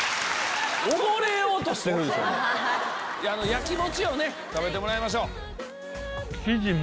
やきもちを食べてもらいましょう。